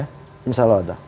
insya allah ada